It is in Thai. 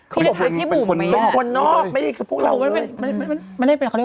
เขาบอกว่าเป็นคนนอกไม่ใช่แบบพวกเราเลยพี่บุ่มมีอ่ะ